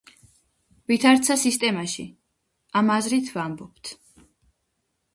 ვითარცა სისტემაში. ამ აზრით ვამბობთ,